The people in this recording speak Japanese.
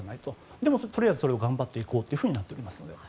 でも、とりあえず頑張ってこうとなっております。